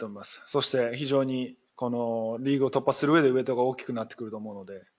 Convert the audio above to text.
そして非常に、このリーグを突破するうえでウエイトが大きくなってくると思うので。